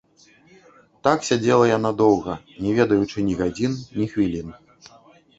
Так сядзела яна доўга, не ведаючы ні гадзін, ні хвілін.